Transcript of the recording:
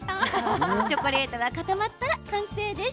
チョコレートが固まったら完成です。